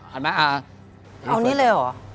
ที่ผ่านมาที่มันถูกบอกว่าเป็นกีฬาพื้นบ้านเนี่ย